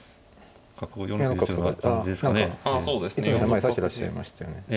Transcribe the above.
前指してらっしゃいましたよね。